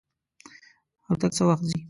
الوتکه څه وخت ځي؟